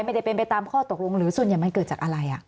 ไม่ได้เป็นไปตามข้อตกลงหรือส่วนใหญ่มันเกิดจากอะไร